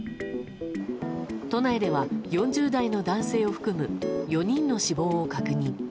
都内では４０代の男性を含む４人の死亡を確認。